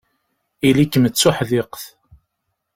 Ili-kem d tuḥdiqt.